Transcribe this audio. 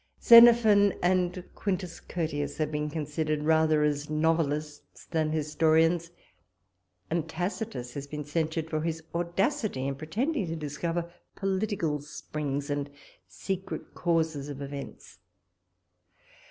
Xenophon and Quintus Curtius have been considered rather as novelists than historians; and Tacitus has been censured for his audacity in pretending to discover the political springs and secret causes of events.